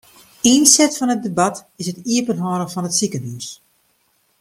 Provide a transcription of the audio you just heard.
Ynset fan it debat is it iepenhâlden fan it sikehús.